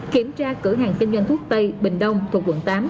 kiểm tra cửa hàng kinh doanh thuốc tây bình đông thuộc quận tám